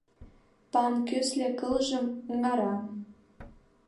Пам, кӱсле кылжым оҥара.